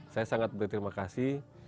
saya sangat berterima kasih